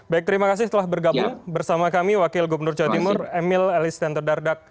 baik terima kasih telah bergabung bersama kami wakil gubernur jawa timur emil elis tento dardak